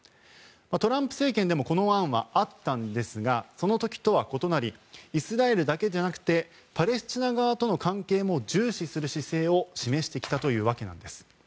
トランプ政権でもこの案はあったんですがその時とは異なりイスラエルだけじゃなくてパレスチナ側との関係も重視する姿勢を示してきたというわけです。